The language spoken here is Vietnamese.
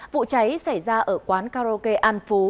vụ cháy xảy ra ở quán karaoke an phú